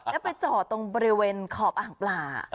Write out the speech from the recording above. แล้วไปจอดตรงบริเวณขอบอ่างปลา